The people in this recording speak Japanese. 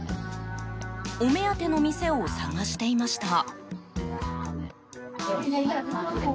お目当ての店を探していました。